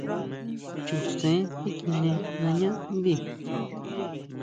Chu sen tikjine nañá ndí.